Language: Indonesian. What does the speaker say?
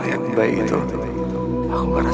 aku gak tau kenapa